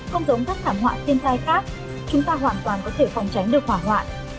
không giống các thảm họa thiên tai khác chúng ta hoàn toàn có thể phòng tránh được hỏa hoạn